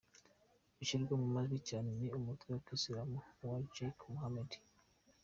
Ushyirwa mu majwi cyane ni umutwe wa kisilamu wa Jaish-e-Mohammed.